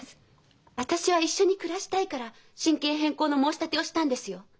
私は一緒に暮らしたいから親権変更の申し立てをしたんですよ。